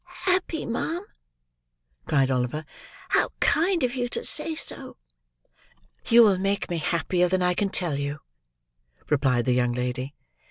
"Happy, ma'am!" cried Oliver; "how kind of you to say so!" "You will make me happier than I can tell you," replied the young lady.